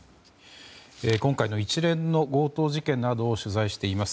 今回の一連の強盗事件などを取材しています